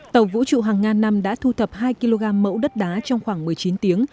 tàu vũ trụ hàng ngàn năm đã thu thập hai kg mẫu đất đá trong khoảng một mươi chín tiếng